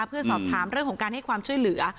เพื่อสอบถามเรื่องของการให้ความช่วยเหลือ